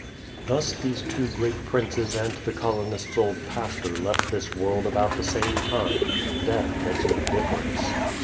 Thus these two great princes and the colonists' old pastor left this world about the same time: Death makes no difference.